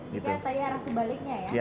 jika tadi arah sebaliknya ya